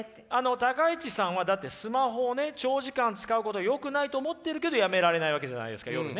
高市さんはだってスマホをね長時間使うことをよくないと思ってるけどやめられないわけじゃないですか夜ね。